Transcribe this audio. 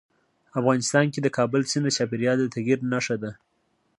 افغانستان کې د کابل سیند د چاپېریال د تغیر نښه ده.